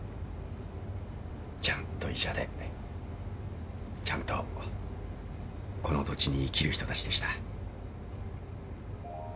ちゃんと医者でちゃんとこの土地に生きる人たちでした。